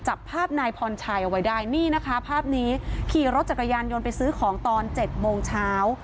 จับภาพนายพรชัยเอาไว้ได้นี่นะคะภาพนี้ขี่รถจักรยานยนต์ไปซื้อของตอน๗โมงเช้า